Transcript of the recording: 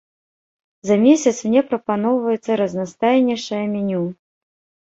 За месяц мне прапаноўваецца разнастайнейшае меню.